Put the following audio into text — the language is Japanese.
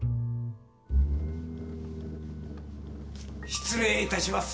失礼いたします。